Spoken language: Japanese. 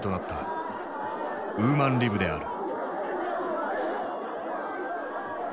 ウーマンリブである。